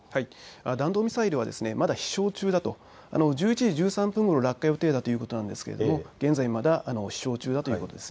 弾道ミサイルはまだ飛しょう中だと１１時１３分ごろ落下予定ということなんですが現在飛しょう中だということです。